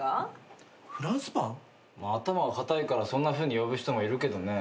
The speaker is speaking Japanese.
頭が固いからそんなふうに呼ぶ人もいるけどね。